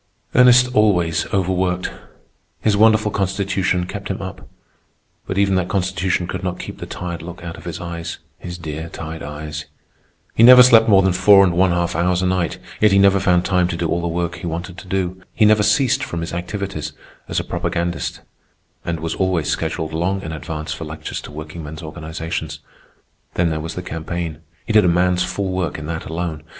Ernest always overworked. His wonderful constitution kept him up; but even that constitution could not keep the tired look out of his eyes. His dear, tired eyes! He never slept more than four and one half hours a night; yet he never found time to do all the work he wanted to do. He never ceased from his activities as a propagandist, and was always scheduled long in advance for lectures to workingmen's organizations. Then there was the campaign. He did a man's full work in that alone.